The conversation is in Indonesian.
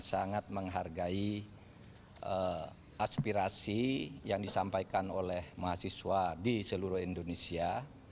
sangat menghargai aspirasi yang disampaikan oleh mahasiswa di seluruh indonesia